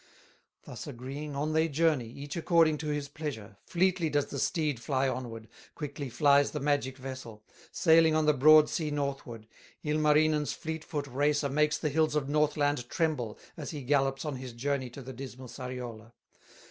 Thus agreeing, on they journey, Each according to his pleasure; Fleetly does the steed fly onward, Quickly flies the magic vessel, Sailing on the broad sea northward; Ilmarinen's fleet foot racer Makes the hills of Northland tremble, As he gallops on his journey To the dismal Sariola.